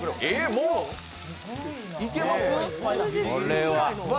もういけます？